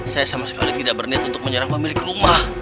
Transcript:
saya sama sekali tidak berniat untuk menyerang pemilik rumah